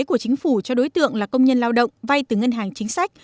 của chính phủ cho đối tượng là công nhân lao động vay từ ngân hàng chính sách